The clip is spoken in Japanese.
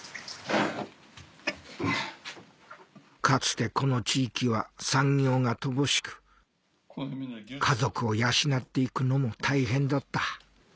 かつてこの地域は産業が乏しく家族を養って行くのも大変だった